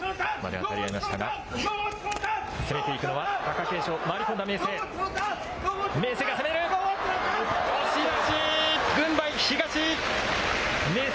当たり合いましたが、攻めていくのは貴景勝、回り込んだ明生。